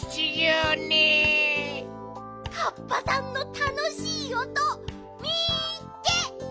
カッパさんのたのしいおとみっけ！